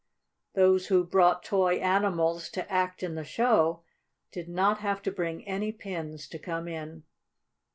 Those who brought toy animals to act in the show did not have to bring any pins to come in.